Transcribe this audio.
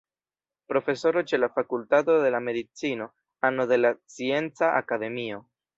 Profesoro ĉe la Fakultato de la Medicino, ano de la Scienca Akademio.